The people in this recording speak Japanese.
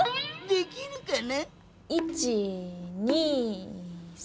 できるかな？